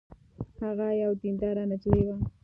هغه یوه دینداره نجلۍ وه